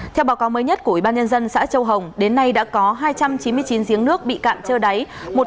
theo báo cáo mới nhất của ubnd xã châu hồng đến nay đã có hai trăm chín mươi chín giếng nước bị cạn trơ đáy